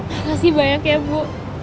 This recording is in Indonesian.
makasih banyak ya bu